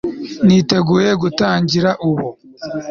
niteguye gutangira ubu